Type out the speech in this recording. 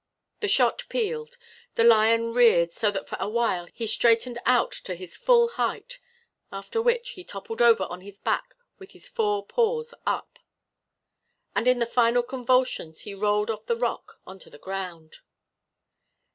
The shot pealed. The lion reared so that for a while he straightened out to his full height; after which he toppled over on his back with his four paws up. And in the final convulsions he rolled off the rock onto the ground.